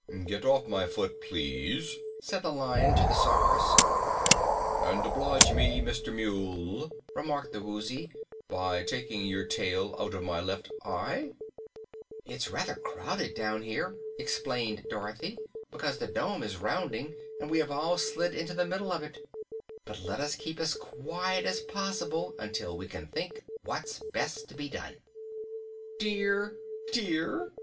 "Get off my foot, please," said the Lion to the Sawhorse. "And oblige me, Mr. Mule," remarked the Woozy, "by taking your tail out of my left eye." "It's rather crowded down here," explained Dorothy, "because the dome is rounding and we have all slid into the middle of it. But let us keep as quiet as possible until we can think what's best to be done." "Dear, dear!"